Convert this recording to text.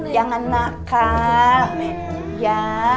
jangan nakal ya